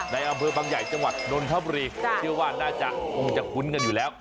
ในอำเภอบางใหญ่จังหวัดนนทบุรีเชื่อว่าน่าจะคงจะคุ้นกันอยู่แล้ว